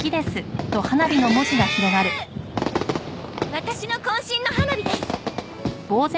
ワタシの渾身の花火です。